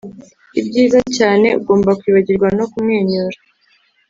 ibyiza cyane ugomba kwibagirwa no kumwenyura